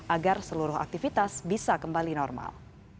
agar seluruh aktivitas bisa kembali normal